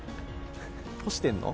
干してるの？